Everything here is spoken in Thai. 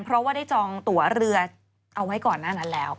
เพราะว่าได้จองตัวเรือเอาไว้ก่อนหน้านั้นแล้ว